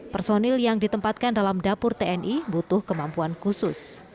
personil yang ditempatkan dalam dapur tni butuh kemampuan khusus